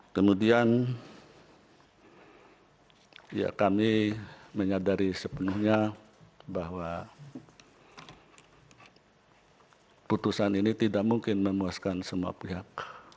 kemudian kami menyadari sepenuhnya bahwa putusan ini tidak mungkin memuaskan semua pihak